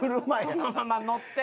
そのまま乗って。